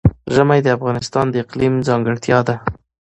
ژمی د افغانستان د اقلیم ځانګړتیا ده.